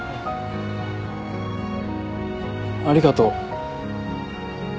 ありがとう。